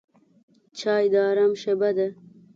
چای د آرام شېبه ده.